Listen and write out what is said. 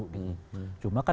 cuma kan kita bisa mengatakan